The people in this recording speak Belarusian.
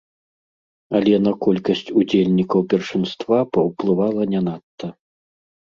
Але на колькасць удзельнікаў першынства паўплывала не надта.